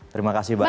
terima kasih banyak